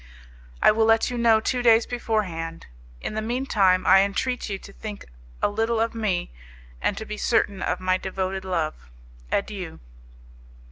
I will let you know two days beforehand. In the mean time, I entreat you to think a little of me, and to be certain of my devoted love. Adieu."